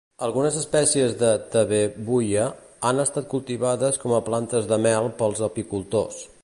Algunes espècies de "Tabebuia" han estat cultivades com a plantes de mel pels apicultors.